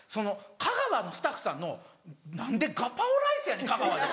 香川のスタッフさんの何でガパオライスやねん香川で。